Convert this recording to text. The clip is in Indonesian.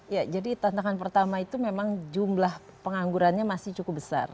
ya jadi tantangan pertama itu memang jumlah penganggurannya masih cukup besar